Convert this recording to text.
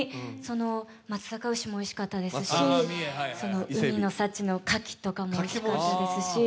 松阪牛もおいしかったですし、海のかきもおいしかったですし。